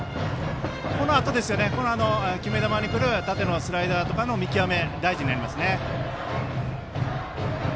このあと、決め球にくるスライダーとかの見極めが大事になります。